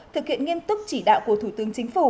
thực hiện nghiêm túc chỉ đạo của thủ tướng chính phủ